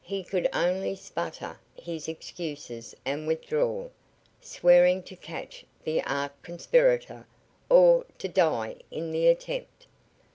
He could only sputter his excuses and withdraw, swearing to catch the arch conspirator or to die in the attempt.